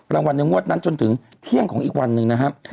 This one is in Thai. รางวัลในงวดนั้นจนถึงเที่ยงของอีกวันหนึ่งนะครับ